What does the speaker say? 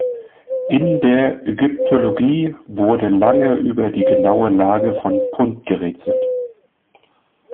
In der Ägyptologie wurde lange über die genaue Lage von Punt gerätselt.